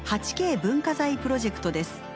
文化財プロジェクトです。